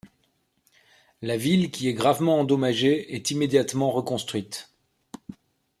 La ville, qui est gravement endommagée, est immédiatement reconstruite.